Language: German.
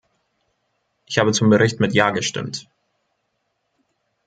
Ich habe zum Bericht mit ja gestimmt.